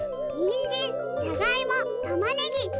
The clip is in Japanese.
にんじんじゃがいもたまねぎ